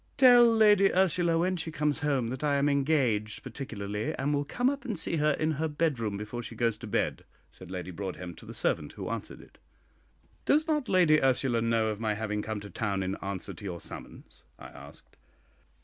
"Tell Lady Ursula when she comes home that I am engaged particularly, and will come up and see her in her bedroom before she goes to bed," said Lady Broadhem to the servant who answered it. "Does not Lady Ursula know of my having come to town in answer to your summons?" I asked.